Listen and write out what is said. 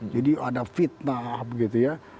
jadi ada fitnah begitu ya